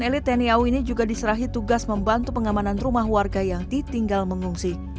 elit tni au ini juga diserahi tugas membantu pengamanan rumah warga yang ditinggal mengungsi